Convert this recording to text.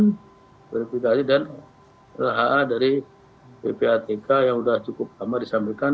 dan lha dari ppatk yang sudah cukup lama disampaikan